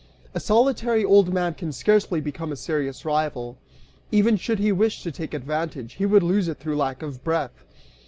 A solitary old man can scarcely become a serious rival; even should he wish to take advantage, he would lose it through lack of breath."